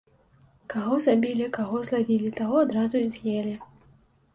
Каго забілі, каго злавілі, таго адразу і з'елі.